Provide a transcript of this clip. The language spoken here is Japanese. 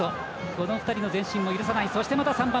この２人の前進も許さない。